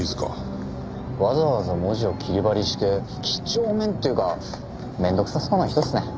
わざわざ文字を切り貼りして几帳面っていうか面倒くさそうな人っすね。